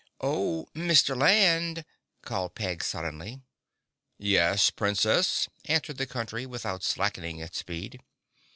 "Oh, Mr. Land," called Peg suddenly. "Yes, Princess," answered the Country, without slackening its speed.